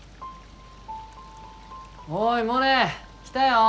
おいモネ！来たよ！